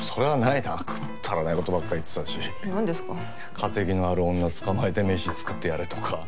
稼ぎのある女捕まえて飯作ってやれとか。